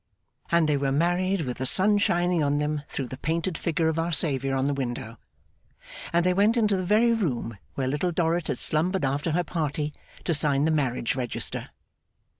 And they were married with the sun shining on them through the painted figure of Our Saviour on the window. And they went into the very room where Little Dorrit had slumbered after her party, to sign the Marriage Register.